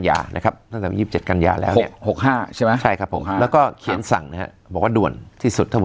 ถ้าผมจำไว้ตัวเขียนว่าด่วนที่สุดนะฮะ